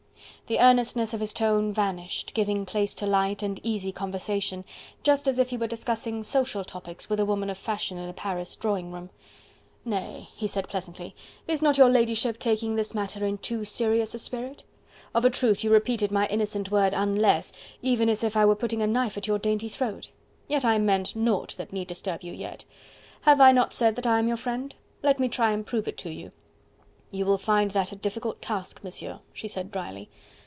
The earnestness of his tone vanished, giving place to light and easy conversation, just as if he were discussing social topics with a woman of fashion in a Paris drawing room. "Nay!" he said pleasantly, "is not your ladyship taking this matter in too serious a spirit? Of a truth you repeated my innocent word 'unless' even as if I were putting knife at your dainty throat. Yet I meant naught that need disturb you yet. Have I not said that I am your friend? Let me try and prove it to you." "You will find that a difficult task, Monsieur," she said drily.